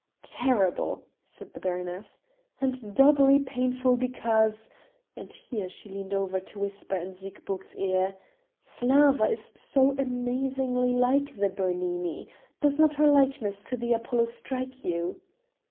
"Terrible!" said the baroness, "and doubly painful because" and here she leaned over to whisper in Siegburg's ear "Slawa is so amazingly like the Bernini. Does not her likeness to the Apollo strike you?"